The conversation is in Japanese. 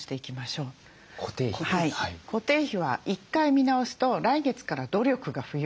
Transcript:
固定費は１回見直すと来月から努力が不要なので。